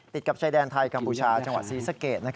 ติดกับชายแดนไทยกัมพูชาจังหวัดศรีสะเกด